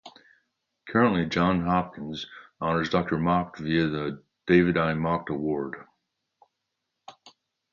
Currently, Johns Hopkins honors Doctor Macht via the David I. Macht award.